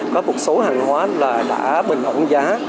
có một số hàng hóa là đã bình ổn giá